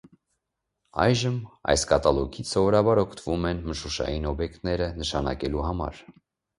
Այժմ այս կատալոգից սովորաբար օգտվում են մշուշային օբյեկտները նշանակելու համար։